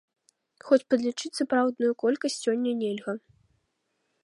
Хоць падлічыць сапраўдную колькасць сёння нельга.